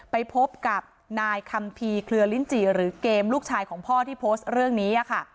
ไปพบกับนายคัมภีร์เคลือลิ้นจีหรือเกมลูกชายของพ่อที่โพสต์เรื่องนี้ค่ะ